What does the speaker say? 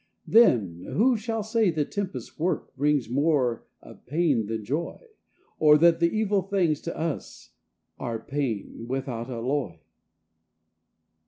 Then who shall say the tempest's work Brings more of pain than joy; Or that the evil things, to us Are pain, without alloy?